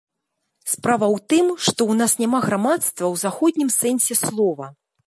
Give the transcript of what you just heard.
Справа ў тым, што ў нас няма грамадства ў заходнім сэнсе слова.